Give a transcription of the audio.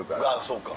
そうか。